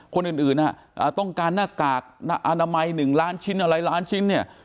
คนอื่นต้องการหน้ากากอนามัย๑ล้านชิ้นอะไรล้านชิ้นเนี่ย